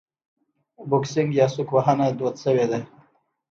بوکسینګ یا سوک وهنه دود شوې ده.